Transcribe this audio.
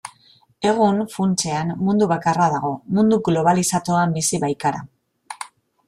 Egun, funtsean, mundu bakarra dago, mundu globalizatuan bizi baikara.